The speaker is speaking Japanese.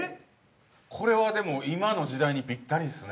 ◆これはでも今の時代にぴったりですね。